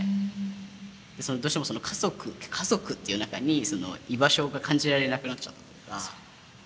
どうしても家族家族っていう中に居場所が感じられなくなっちゃったりとか。